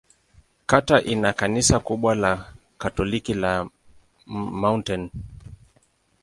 Kata ina kanisa kubwa la Katoliki la Mt.